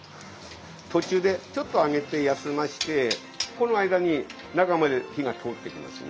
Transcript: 途中でちょっと上げて休ましてこの間に中まで火が通っていきますね。